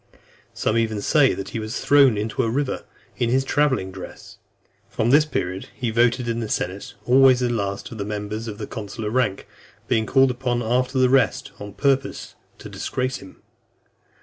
Some even say, that he was thrown into a river, in his travelling dress. From this period, he voted in the senate always the last of the members of consular rank; being called upon after the rest, on purpose to disgrace him.